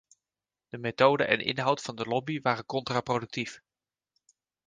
De methoden en inhoud van de lobby waren contraproductief.